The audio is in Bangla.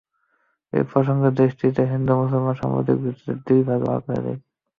একই সঙ্গে দেশটিকে হিন্দু-মুসলমান সাম্প্রদায়িকতার ভিত্তিতে দুই ভাগ করে দিয়ে যায়।